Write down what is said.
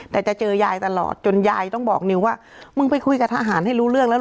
แต่จะเจอยายตลอดจนยายต้องบอกนิวว่ามึงไปคุยกับทหารให้รู้เรื่องแล้ว